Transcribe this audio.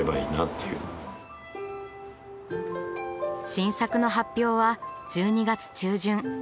新作の発表は１２月中旬。